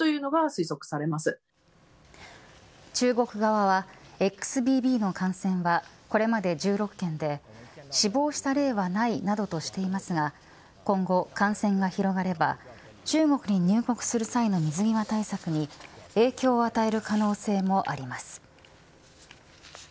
中国側はＸＢＢの感染はこれまで１６件で死亡した例はないなどとしていますが今後、感染が広がれば中国に入国する際の水際対策に影響を与える可能性もあります。